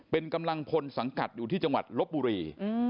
เป็นกำลังพลสังกัดอยู่ที่จังหวัดลบบุรี